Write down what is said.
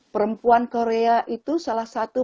perempuan korea itu salah satu